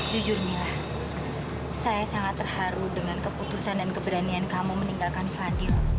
jujurnya saya sangat terharu dengan keputusan dan keberanian kamu meninggalkan fadil